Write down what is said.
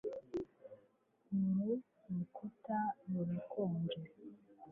Uru rukuta rurakonje